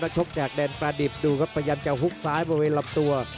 นักชกจากแดนประดิษฐ์ดูครับพยายามจะฮุกซ้ายไปไว้หลับตัว